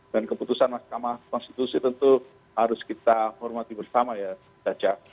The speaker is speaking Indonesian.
dan keputusan mahkamah konstitusi tentu harus kita hormati bersama ya